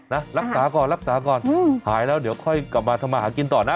รักษาก่อนรักษาก่อนหายแล้วเดี๋ยวค่อยกลับมาทำมาหากินต่อนะ